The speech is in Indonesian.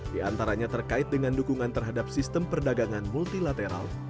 diantaranya terkait dengan dukungan terhadap sistem perdagangan multilateral